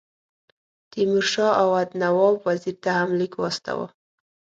تیمور شاه اَوَد نواب وزیر ته هم لیک واستاوه.